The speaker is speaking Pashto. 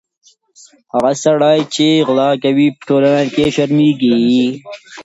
هغه سړی چې غلا کوي، په ټولنه کې شرمېږي.